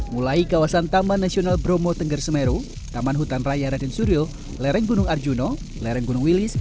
mulai kawasan taman nasional bromo tengger semeru taman hutan raya raden suryo lereng gunung arjuna lereng gunung wilis